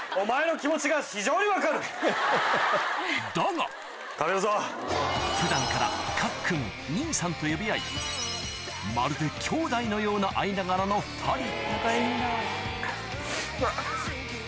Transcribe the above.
だが普段からかっくん兄さんと呼び合いまるで兄弟のような間柄の２人うわ。